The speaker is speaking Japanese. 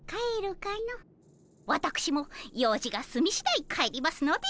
わたくしもようじがすみしだい帰りますので。